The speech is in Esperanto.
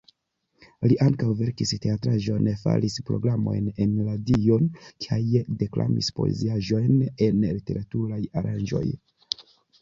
Li ankaŭ verkis teatraĵon, faris programojn en radio kaj deklamis poeziaĵojn en literaturaj aranĝoj.